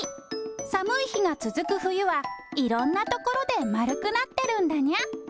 寒い日が続く冬は、いろんな所で丸くなってるんだにゃ。